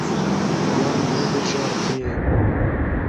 Wan nebijartiye.